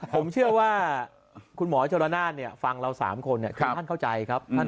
ผมเชื่อว่าคุณหมอชนละนานฟังเรา๓คนคือท่านเข้าใจครับ